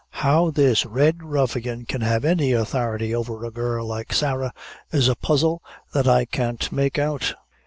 How this red ruffian can have any authority over a girl like Sarah, is a puzzle that I can't make out."